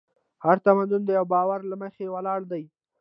هر تمدن د یوه باور له مخې ولاړ دی.